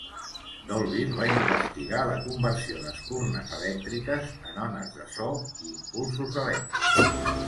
Dolbear va investigar la conversió d'espurnes elèctriques en ones de so i impulsos elèctrics.